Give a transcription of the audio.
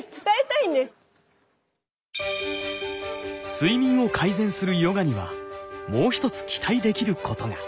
睡眠を改善するヨガにはもう一つ期待できることが。